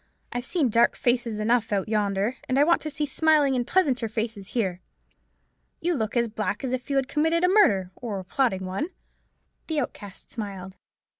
I've seen dark faces enough out yonder; and I want to see smiling and pleasanter faces here. You look as black as if you had committed a murder, or were plotting one." The Outcast smiled.